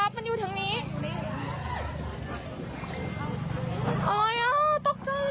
อ๋อไปเหรอ